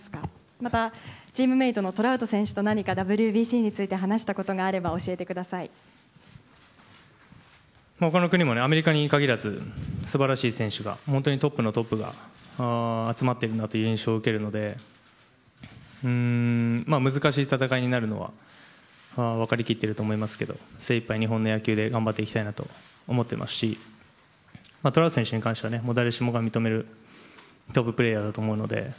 また、チームメートのトラウト選手と何かＷＢＣについて話したことがあれば他の国もアメリカに限らず素晴らしい選手が本当にトップのトップが集まっているなという印象を受けるので難しい戦いになるのは分かりきっていると思いますけど精いっぱい日本の野球で頑張っていきたいと思っていますし、トラウト選手は誰しもが認めるトッププレヤーだと思うので。